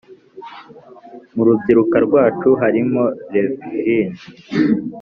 mu rubyiruka rwacu harimo levi jeans,